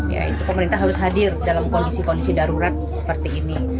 ya itu pemerintah harus hadir dalam kondisi kondisi darurat seperti ini